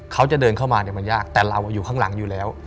เขาจะเดินเข้ามาเนี่ยมันยากแต่เราอยู่ข้างหลังอยู่แล้ว